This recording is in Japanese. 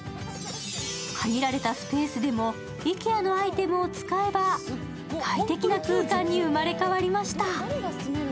限られたスペースでもＩＫＥＡのアイテムを使えば、快適な空間に生まれ変わりました。